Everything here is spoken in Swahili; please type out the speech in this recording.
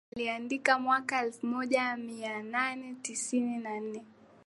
Alikiandika mwaka elfu moja mia nane tisini na nne